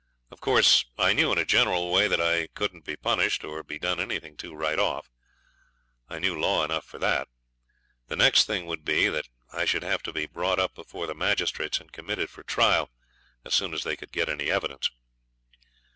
Of course I knew in a general way that I couldn't be punished or be done anything to right off. I knew law enough for that. The next thing would be that I should have to be brought up before the magistrates and committed for trial as soon as they could get any evidence.